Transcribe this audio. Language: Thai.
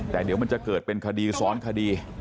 แต่เดี๋ยวมันจะเกิดเป็นคดีซ้อนคดี